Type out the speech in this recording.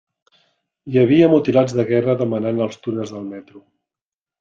Hi havia mutilats de guerra demanant als túnels del metro.